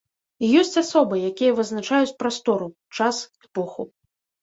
І ёсць асобы, якія вызначаюць прастору, час, эпоху.